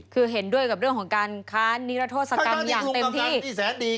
คือเห็นด้วยกับเรื่องของการค้านนิรโทษกรรมอย่างเต็มที่